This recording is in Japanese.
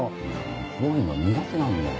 こういうの苦手なんだよ。